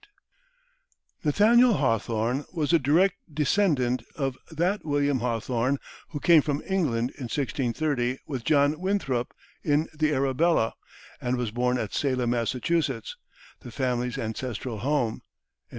[Illustration: HAWTHORNE] Nathaniel Hawthorne was a direct descendant of that William Hawthorne who came from England in 1630 with John Winthrop in the "Arabella," and was born at Salem, Massachusetts, the family's ancestral home, in 1804.